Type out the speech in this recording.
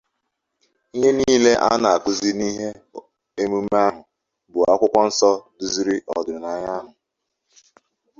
Ihe niile a na-akụzi n'ihe emume ahụ bụ Akwụkwọ Nsọ duziri ọdịnaya ahụ.